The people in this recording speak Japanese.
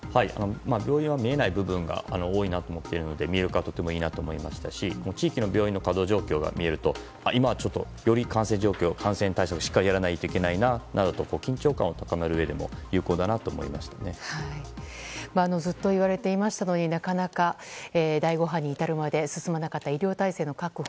病院は見えない部分が多いなと思っているので見える化はとてもいいなと思いましたし地域の病院の稼働状況が見えると、今ちょっとより感染対策をしっかりやらないといけないななどと緊張感を高めるのもずっと言われていましたのになかなか第５波に至るまで進まなかった医療体制の確保。